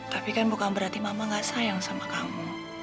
tapi kan bukan berarti mama gak sayang sama kamu